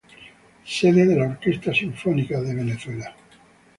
Sede de la Orquesta Sinfónica Venezuela.